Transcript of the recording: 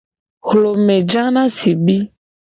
Hlome ja na sibi.